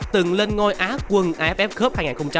từng lên ngôi á quân aff cup hai nghìn hai mươi một